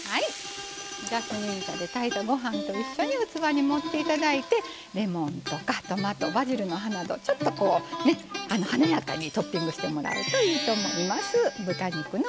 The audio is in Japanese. ジャスミン茶で炊いたご飯と一緒に器に盛っていただいてレモンとかトマトバジルの葉などちょっとこう華やかにトッピングしてもらうといいと思います。